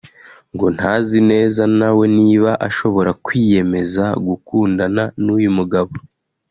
ngo ntazi neza na we niba ashobora kwiyemeza gukundana n’uyu mugabo